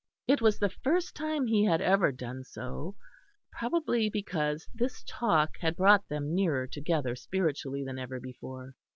It was the first time he had ever done so; probably because this talk had brought them nearer together spiritually than ever before.